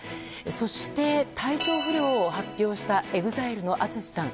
そして、体調不良を発表したＥＸＩＬＥのＡＴＳＵＳＨＩさん